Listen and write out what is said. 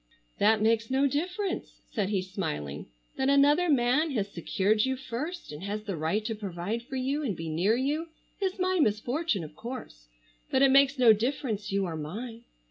"That makes no difference," said he smiling. "That another man has secured you first, and has the right to provide for you, and be near you, is my misfortune of course, but it makes no difference, you are mine?